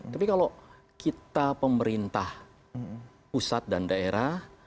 tapi kalau kita pemerintah pusat dan daerah